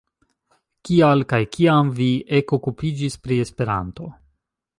Kial kaj kiam vi ekokupiĝis pri Esperanto?